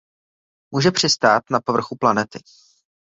Může přistát na povrchu planety.